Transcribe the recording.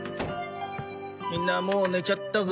みんなもう寝ちゃったか。